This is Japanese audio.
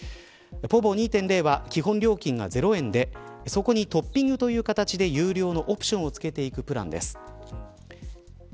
ｐｏｖｏ２．０は基本料金が０円でそこにトッピングという形で有料オプションをつけていくプランです。